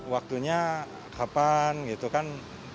waktunya kapan gitu kan